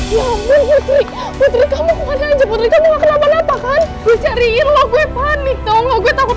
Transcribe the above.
ya ampun putri